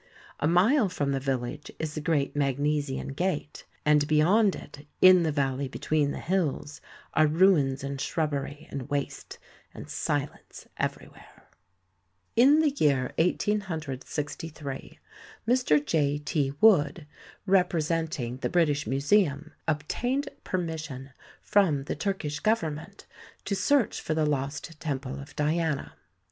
A mile from the village is the great Magnesian gate, and beyond it, in the valley between the hills, are ruins and shrubbery and waste, and silence everywhere. i2 4 THE SEVEN WONDERS In the year 1863 Mr. J. T. Wood, representing the British Museum, obtained permission from the Turkish Government to search for the lost temple of Diana.